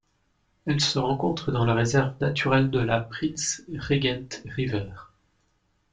Elle se rencontre dans la réserve naturelle de la Prince Regent River.